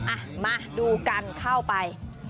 อ่ะมาดูกันเข้าไป